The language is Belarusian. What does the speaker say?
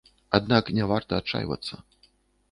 Аднак не варта адчайвацца.